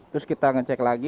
terus kita ngecek lagi